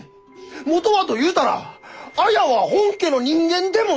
元はと言うたら綾は本家の人間でもない！